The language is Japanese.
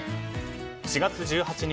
４月１８日